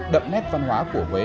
đậm nét văn hóa của quốc gia